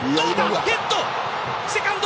ヘッド。